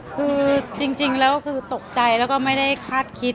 คือจริงแล้วคือตกใจแล้วก็ไม่ได้คาดคิด